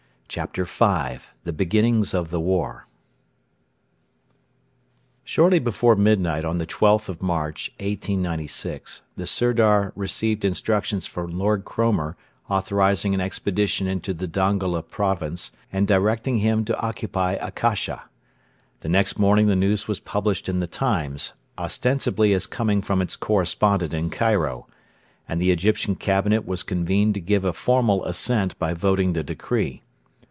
CHAPTER V: THE BEGINNING OF THE WAR Shortly before midnight on the 12th of March, 1896, the Sirdar received instructions from Lord Cromer authorising an expedition into the Dongola province and directing him to occupy Akasha. The next morning the news was published in the Times, ostensibly as coming from its correspondent in Cairo: and the Egyptian Cabinet was convened to give a formal assent by voting the decree.